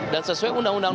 dan sesuai undang undang